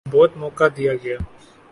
بہت موقع دیا گیا۔